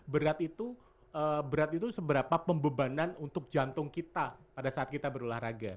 berat itu berat itu seberapa pembebanan untuk jantung kita pada saat kita berolahraga